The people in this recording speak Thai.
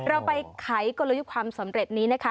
เราไปไขกลยุทธ์ความสำเร็จนี้นะคะ